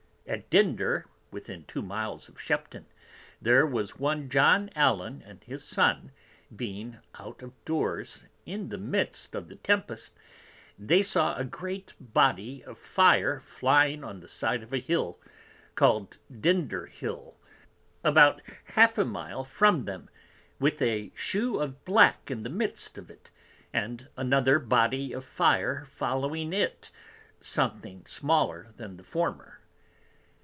At Dinder within two Miles of Shepton, there was one John Allen, and his Son, being out of Doors in the midst of the Tempest, they saw a great Body of Fire flying on the side of a Hill, call'd Dinder hill, about half a Mile from them, with a Shew of black in the midst of it, and another Body of Fire following it, something smaller than the former.